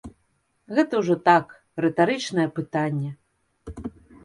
Гэта ўжо так, рытарычнае пытанне.